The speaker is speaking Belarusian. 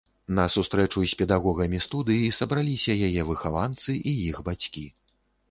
На сустрэчу з педагогамі студыі сабраліся яе выхаванцы і іх бацькі.